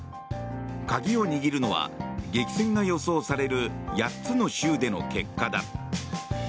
鍵を握るのは激戦が予想される８つの州での結果だ。